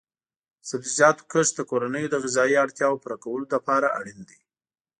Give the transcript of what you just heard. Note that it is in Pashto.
د سبزیجاتو کښت د کورنیو د غذایي اړتیاو پوره کولو لپاره اړین دی.